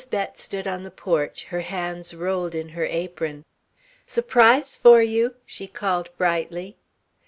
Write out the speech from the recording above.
Bett stood on the porch, her hands rolled in her apron. "Surprise for you!" she called brightly.